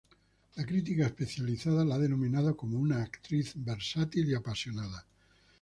La crítica especializada la ha denominado como "una actriz versátil y apasionada".